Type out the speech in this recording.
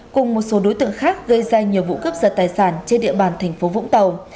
cùng một số đối tượng khác gây ra nhiều vụ cướp giật tài sản trên địa bàn thành phố vũng tàu